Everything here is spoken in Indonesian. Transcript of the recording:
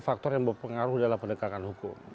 faktor yang berpengaruh dalam pendekatan hukum